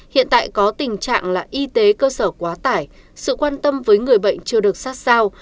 hiện tại có tình trạng là y tế cơ sở quá tải sự quan tâm với người bệnh chưa được sát sao